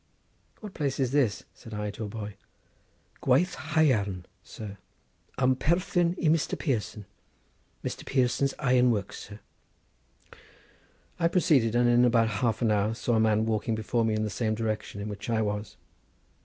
"What place is this?" said I to a boy. "Gwaith haiarn, sir; ym perthyn i Mr. Pearson. Mr. Pearson's iron works, sir." I proceeded, and in about half an hour saw a man walking before me in the same direction in which I was.